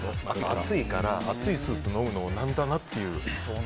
暑いから、熱いスープ飲むのも何かなっていう。